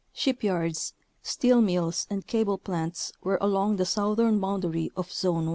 Shipyards, steel mills, and cable plants were along the southern boundary of Zone 1.